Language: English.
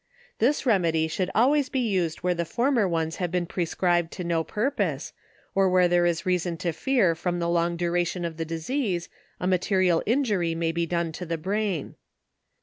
This remedy should always be used, where the former ones have been prescribed to no pur pose, or where there is reason to fear, from the long du ration of the disease, a material injury may be done to the brain.